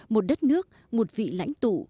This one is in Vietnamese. một đất nước một vị lãnh tụ